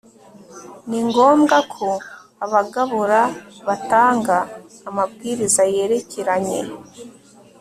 ni ngombwa ko abagabura batanga amabwiriza yerekeranye